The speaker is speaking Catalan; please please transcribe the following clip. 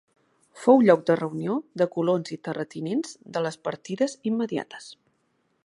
Fou lloc de reunió de colons i terratinents de les partides immediates.